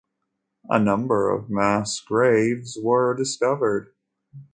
A number of mass graves were discovered.